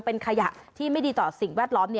เป็นขยะที่ไม่ดีต่อสิ่งแวดล้อม